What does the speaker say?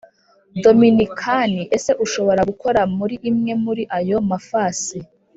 Dominikani Ese ushobora gukora muri imwe muri ayo mafasi